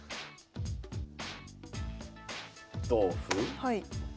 はい。